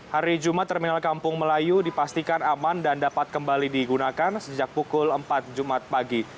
hari jumat terminal kampung melayu dipastikan aman dan dapat kembali digunakan sejak pukul empat jumat pagi